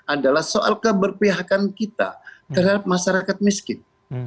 adalah soal keberpihakan kita terhadap masyarakat miskin